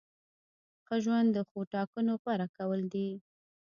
ښه ژوند د ښو ټاکنو غوره کول دي.